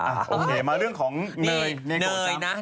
โอเคมาเรื่องของเนยเนโกจำ